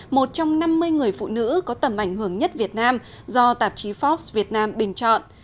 một trong năm mươi người phụ nữ có tầm ảnh hưởng nhất việt nam do tạp chí forbes việt nam bình chọn